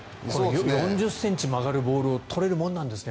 ４０ｃｍ曲がるボールを取れるもんなんですね。